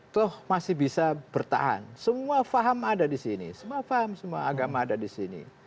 toh masih bisa bertahan semua faham ada di sini semua faham semua agama ada di sini